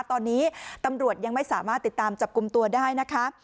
ตอนนี้ตำรวจยังไม่สามารถติดตามจับกลุ่มตัวได้นะคะ